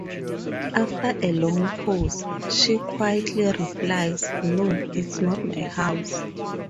After a long pause, she quietly replies, No, it's not my house.